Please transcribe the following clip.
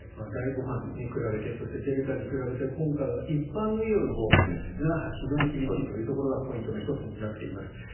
第５波に比べてそしてデルタに比べて今回は一般の医療のほうが非常に厳しいというところがポイントの１つになっています。